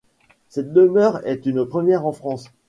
Cette démarche est une première en France.